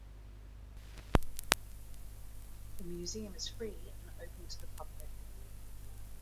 The museum is free and open to the public.